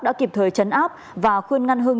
đã kịp thời chấn áp và khuyên ngăn hưng